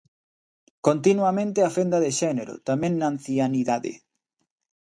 Continuamente a fenda de xénero, tamén na ancianidade.